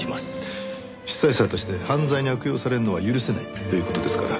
主催者として犯罪に悪用されるのは許せないという事ですから。